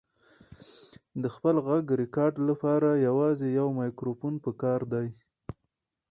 د خپل غږ ریکارډ لپاره یوازې یو مایکروفون پکار دی.